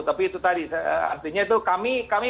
tapi itu tadi artinya itu kami